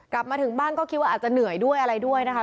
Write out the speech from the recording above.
กลับมาถึงบ้านก็คิดว่าอาจจะเหนื่อยด้วยอะไรด้วยนะคะ